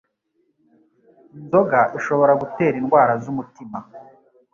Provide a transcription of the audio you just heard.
inzoga ishobora gutera indwara z'umutima